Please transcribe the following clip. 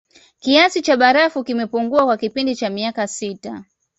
Kiasi cha barafu kimepungua kwa kipindi cha miaka sita